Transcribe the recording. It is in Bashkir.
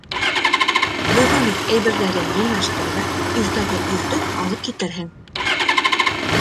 Бөгөн үк әйберҙәрен йыйнаштыр ҙа иртәгә иртүк алып килерһең.